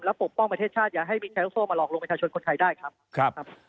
ปกป้องประเทศชาติอย่าให้มีแชร์ลูกโซ่มาหลอกลงประชาชนคนไทยได้ครับ